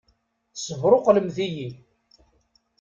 Tessebṛuqlemt-iyi!